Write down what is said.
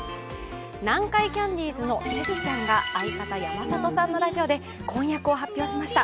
南海キャンディーズのしずちゃんが相方・山里さんのラジオで婚約を発表しました。